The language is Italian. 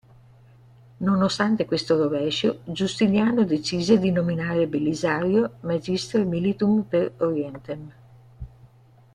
Nonostante questo rovescio, Giustiniano decise di nominare Belisario "magister militum per Orientem".